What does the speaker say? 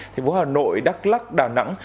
thành phố hà nội đắk lắc đà nẵng